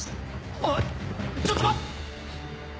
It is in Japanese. おいちょっと待っ！